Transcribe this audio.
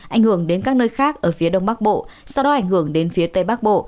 ảnh hưởng đến các nơi khác ở phía đông bắc bộ sau đó ảnh hưởng đến phía tây bắc bộ